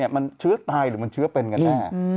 มันเชื้อตายหรือมันเชื้อเป็นกันแน่